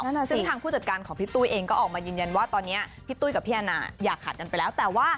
ซึ่งทางผู้จัดการของพี่ตุ้ยเองก็ออกมายืนยันว่าตอนนี้พี่ตุ้ยกับพี่แอนนาอย่าขาดกันไปแล้วแต่ว่า